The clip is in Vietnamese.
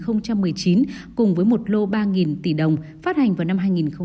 phát hành vào năm hai nghìn một mươi chín cùng với một lô ba tỷ đồng phát hành vào năm hai nghìn một mươi tám